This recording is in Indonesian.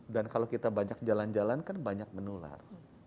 dan kalau kita banyak jalan jalan kan banyak menular